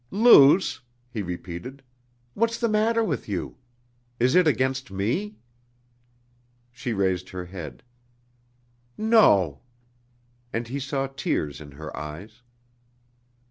"Luce," he repeated, "what's the matter with you? Is it against me?" She raised her head. "No!" And he saw tears in her eyes.